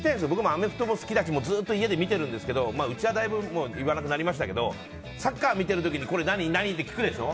アメフトも好きだしずっと家で見てるんですけどうちは、だいぶ言わなくなりましたけどサッカー見てる時にこれ、何？って聞くでしょ。